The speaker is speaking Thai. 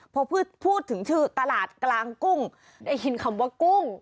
พอพูดถึงชื่อตลาดกลางกุ้งได้ยินคำว่ากุ้ง